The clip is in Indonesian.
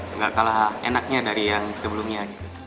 nggak kalah enaknya dari yang sebelumnya